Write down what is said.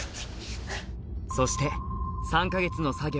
そして３か月の作業